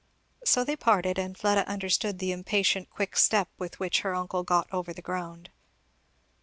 So they parted; and Fleda understood the impatient quick step with which her uncle got over the ground.